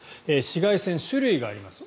紫外線、種類があります。